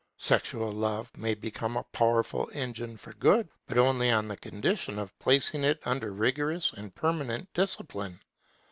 Sexual love may become a powerful engine for good: but only on the condition of placing it under rigorous and permanent discipline.